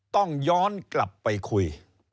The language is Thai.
ต้องย้อนกลับไปคุย